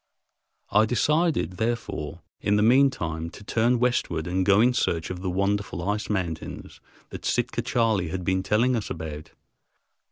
I decided, therefore, in the mean time, to turn westward and go in search of the wonderful "ice mountains" that Sitka Charley had been telling us about.